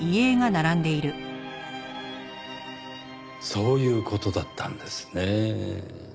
そういう事だったんですねぇ。